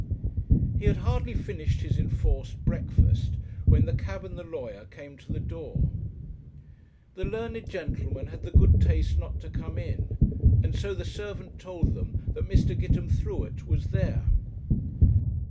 He had hardly finished his enforced breakfast when the cab and the lawyer came to the door. The learned gentleman had the good taste not to come in, and so the servant told them that Mr. Gitemthruet was there.